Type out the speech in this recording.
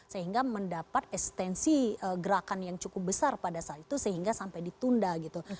sehingga mendapat ekstensi gerakan yang cukup besar pada saat itu sehingga sampai ditunda gitu